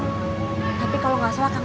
tapi kalo gak salah kang tatang udah jatuh aja ya